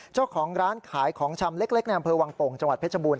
เจ้าของร้านขายของชำเล็กในอำเภอวังโป่งจังหวัดเพชรบูร